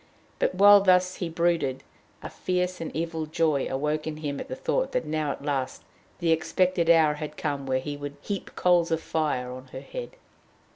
But, while thus he brooded, a fierce and evil joy awoke in him at the thought that now at last the expected hour had come when he would heap coals of fire on her head.